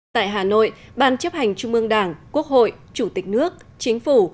tại hà nội ban chấp hành trung ương đảng quốc hội chủ tịch nước chính phủ